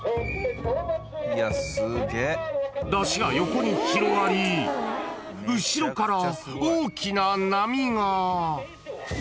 ［山車が横に広がり後ろから大きな波が］